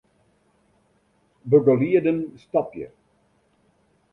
Begelieden stopje.